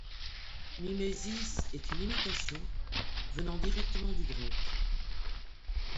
Mimesis est une imitation, venant directement du grec.